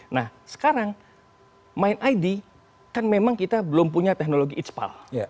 nah sekarang mind id kan memang kita belum punya teknologi itspal